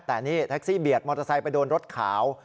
แต่นี่แท็กซี่เบียดมอเตอร์ไซค์ไปโดนรถขาว